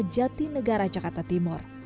jati negara jakarta timur